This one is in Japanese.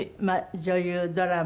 女優ドラマ。